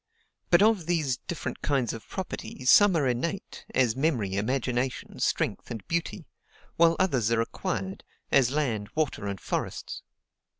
But of these different kinds of property some are INNATE, as memory, imagination, strength, and beauty; while others are ACQUIRED, as land, water, and forests.